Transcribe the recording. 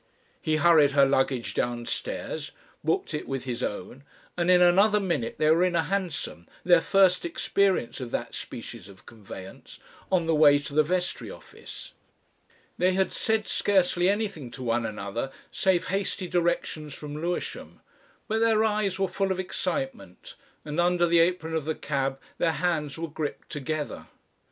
He hurried her luggage downstairs, booked it with his own, and in another minute they were in a hansom their first experience of that species of conveyance on the way to the Vestry office. They had said scarcely anything to one another, save hasty directions from Lewisham, but their eyes were full of excitement, and under the apron of the cab their hands were gripped together.